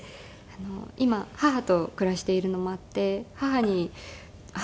今母と暮らしているのもあって母が一緒に。